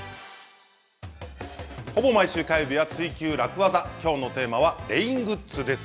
ほぼ毎週火曜日は「ツイＱ楽ワザ」きょうのテーマはレイングッズです。